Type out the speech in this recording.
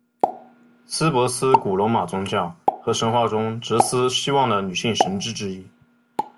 司珀斯古罗马宗教和神话中职司希望的女性神只之一。